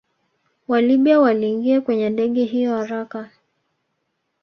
WaLibya waliingia kwenye ndege hiyo haraka